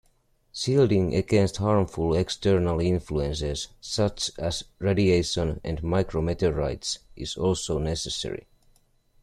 Shielding against harmful external influences such as radiation and micro-meteorites is also necessary.